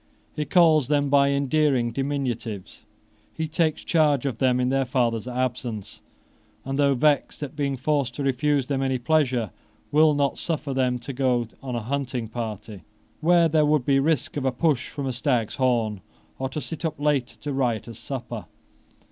He calls them by endearing diminutives: he takes charge of them in their father's absence, and, though vexed at being forced to refuse them any pleasure, will not suffer them to go on a hunting party, where there would be risk of a push from a stag's horn, or to sit up late at a riotous supper.